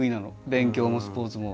勉強もスポーツも。